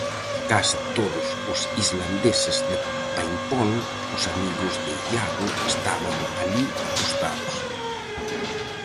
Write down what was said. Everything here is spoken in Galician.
Case todos os islandeses de Paimpol, os amigos de Iago, estaban alí apostados.